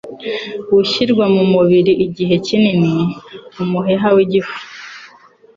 gushyirwa mu mubiri igihe kinini, umuheha w’igifu